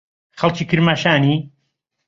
خەڵکی کرماشانی؟